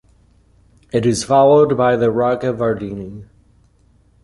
It is followed by the ragavardhini.